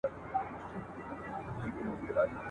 په شپېلۍ د اسرافیل ګوندي خبر سو !.